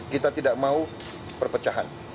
kita tidak mau perpecahan